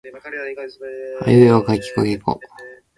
あえいうえおあおかけきくけこかこ